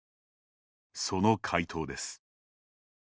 その回答です。